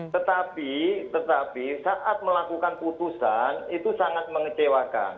tetapi tetapi saat melakukan putusan itu sangat mengecewakan